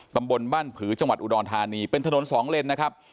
ตำบลบ้านผือจังหวัดอุดรธานีเป็นถนนสองเลนนะครับ